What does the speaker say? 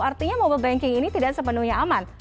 artinya mobile banking ini tidak sepenuhnya aman